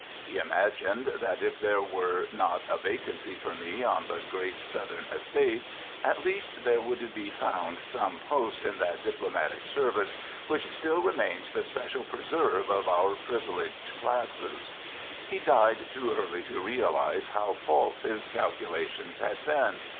He imagined that if there were not a vacancy for me on the great Southerton Estates, at least there would be found some post in that diplomatic service which still remains the special preserve of our privileged classes. He died too early to realize how false his calculations had been.